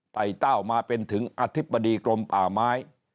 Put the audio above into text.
ไตเต้ามาเป็นถึงอธิบดีกรมป่าไม้